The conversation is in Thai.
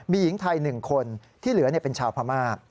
มีหญิงไทย๑คนที่เหลือเป็นชาวพม่า